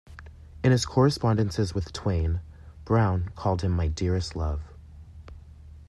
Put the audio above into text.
In his correspondences with Twain, Browne called him "My Dearest Love.